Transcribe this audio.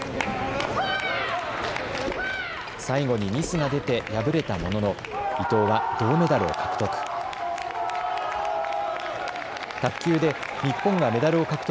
最後にミスが出て敗れたものの伊藤は銅メダルを獲得。